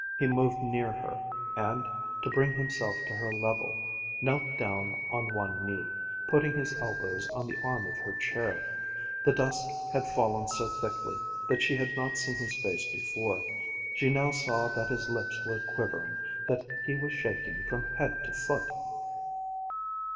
He moved near her, and, to bring himself to her level, knelt down on one knee, putting his elbows on the arm of her chair. The dusk had fallen so thickly that she had not seen his face before. She now saw that his lips were quivering, that he was shaking from head to foot.